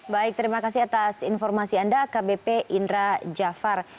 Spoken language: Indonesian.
baik terima kasih atas informasi anda akbp indra jafar